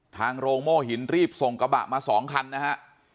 โรงโม่หินรีบส่งกระบะมา๒คันนะฮะ